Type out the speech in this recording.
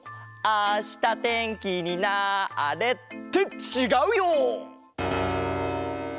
あしたてんきになれ！ってちがうよ！